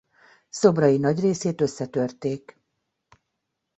Szobrai nagy részét összetörték.